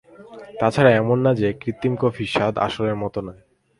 তাছাড়া এমন না যে কৃত্রিম কফির স্বাদ আসলের মতো নয়।